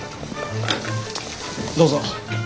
どうぞ。